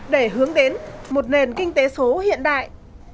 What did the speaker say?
để hướng đến một nền kinh tế số hiện đại